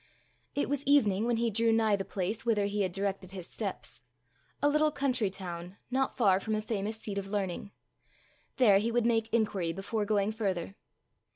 It was evening when he drew nigh the place whither he had directed his steps a little country town, not far from a famous seat of learning: there he would make inquiry before going further.